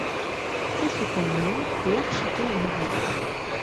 C’est ce qu’on nomme l’archipel normand.